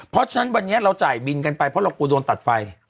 เพราะฉะนั้นวันนี้เราจ่ายบินกันไปเพราะเรากลัวโดนตัดไฟ